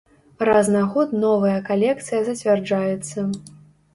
Раз на год новая калекцыя зацвярджаецца.